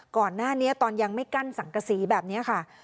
ก่อนหน้านี้ตอนยังไม่กั้นสังกษีแบบนี้ค่ะ